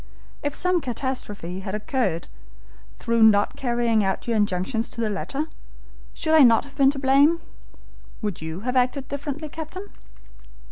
If some catastrophe had occurred through not carrying out your injunctions to the letter, should not I have been to blame? Would you have acted differently, captain?"